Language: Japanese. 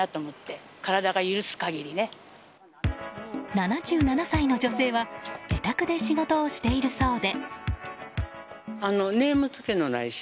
７７歳の女性は自宅で仕事をしているそうで。